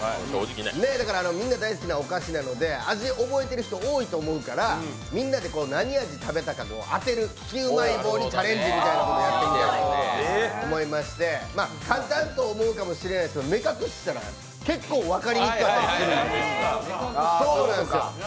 だからみんな大好きなお菓子なんで味、覚えてる人多いからみんなで何味食べたか当てる利きうまい棒みたいなことにチャレンジしたいと思いまして簡単と思うかもしれないですけど目隠ししたら結構、分かりにくかったりするんですよ。